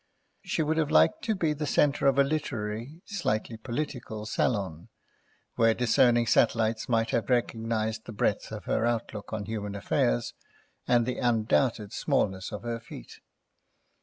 She would have liked to be the centre of a literary, slightly political salon, where discerning satellites might have recognised the breadth of her outlook on human affairs and the undoubted smallness of her feet.